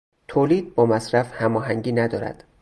تولید با مصرف هماهنگی ندارد.